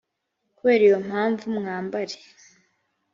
kubera iyo mpamvu mwambare